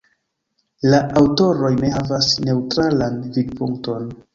La aŭtoroj ne havas neŭtralan vidpunkton.